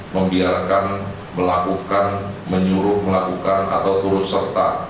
membiarkan melakukan menyuruh melakukan atau turut serta